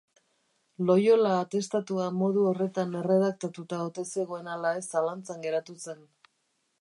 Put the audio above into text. Loyola atestatua modu horretan erredaktatuta ote zegoen ala ez zalantzan geratu zen.